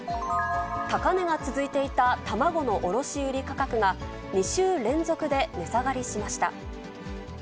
高値が続いていた卵の卸売価格が、２週連続で値下がりしました。